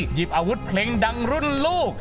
หยิบอาวุธเพลงดังรุ่นลูก